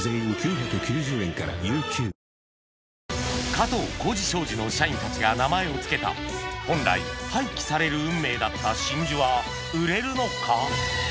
加藤浩次商事の社員たちが名前を付けた本来廃棄される運命だった真珠は売れるのか？